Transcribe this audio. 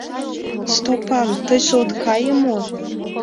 — Стопан, тыйже от кае мо?